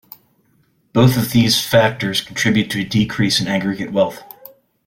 Both of these factors contribute to a decrease in aggregate wealth.